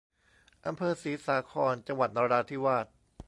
อำเภอศรีสาคร จังหวัดนราธิวาส